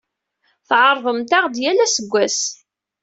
Tɛerrḍemt-aɣ-d yal aseggas.